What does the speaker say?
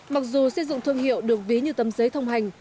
mặc dù xây dựng thương hiệu được ví như tấm giấy thông hành